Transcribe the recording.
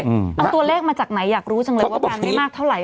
เอาตัวเลขมาจากไหนอยากรู้จังเลยว่างานไม่มากเท่าไห